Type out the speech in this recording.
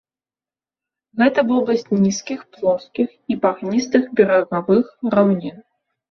Гэта вобласць нізкіх, плоскіх і багністых берагавых раўнін.